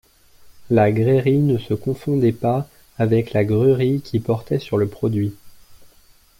La grairie ne se confondait pas avec la gruerie qui portait sur le produit.